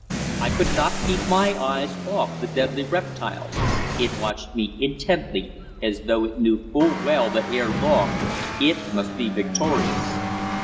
I could not keep my eyes off the deadly reptile. It watched me intently, as though it knew full well that ere long it must be victorious.